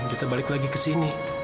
kita balik lagi ke sini